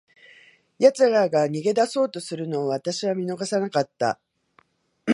奴らが逃げ出そうとするのを、私は見逃さなかった。